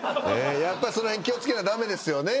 やっぱりその辺気を付けな駄目ですよね？